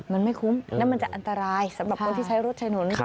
มันไม่คุ้มแล้วมันจะอันตรายสำหรับคนที่ใช้รถใช้ถนน